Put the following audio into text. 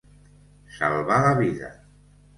Salvar la vida.